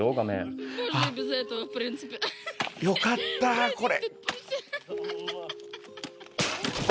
あっ、よかったこれ。